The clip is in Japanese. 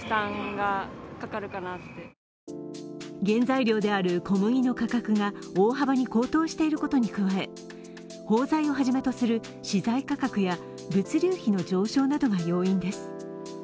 原材料である小麦の価格が大幅に高騰していることに加え包材をはじめとする資材価格や物流費の上昇などが要因です。